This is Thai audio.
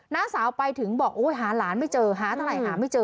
น้าสาวไปถึงบอกหาหลานไม่เจอหาเท่าไหร่หาไม่เจอ